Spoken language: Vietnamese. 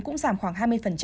cũng giảm khoảng hai mươi